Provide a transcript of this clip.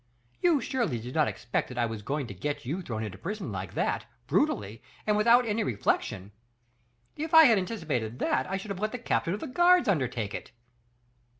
You surely did not expect that I was going to get you thrown into prison like that, brutally, and without any reflection. If I had anticipated that, I should have let the captain of the guards undertake it."